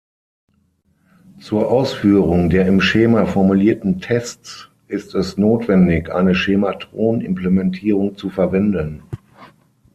Zur Ausführung der im Schema formulierten Tests ist es notwendig, eine Schematron-Implementierung zu verwenden.